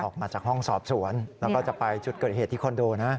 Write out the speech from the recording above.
ออกมาจากห้องสอบสวนแล้วก็จะไปจุดเกิดเหตุที่คอนโดนะ